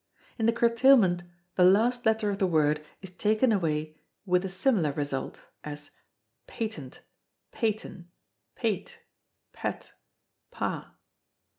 In the curtailment the last letter of the word is taken away with a similar result, as Patent, Paten, Pate, Pat, Pa.